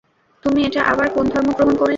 তুমি এটা আবার কোন ধর্ম গ্রহণ করলে?